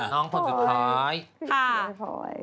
น้องคนสุดท้อย